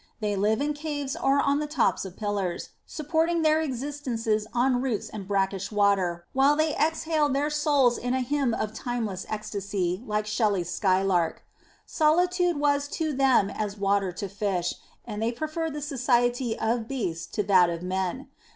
They lived in caves or on the tops of pillars, supporting their existences on roots and brackish water, while they exhaled their souls in a hymn of timeless ecstasy like Shelley s sky lark. Solitude was to them as water to the fish, and they preferred the society of beasts to that of men.